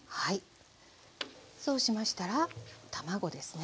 そうしましたら卵ですね。